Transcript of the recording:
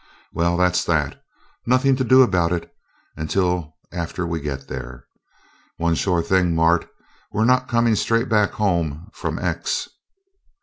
Well, that's that nothing to do about it until after we get there. One sure thing, Mart we're not coming straight back home from 'X'."